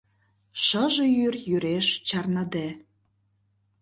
Шыже йӱр йӱреш чарныде...